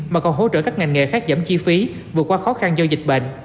mà còn hỗ trợ các ngành nghề khác giảm chi phí vượt qua khó khăn do dịch bệnh